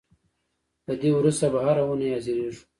له دې وروسته به هر اوونۍ حاضرېږو.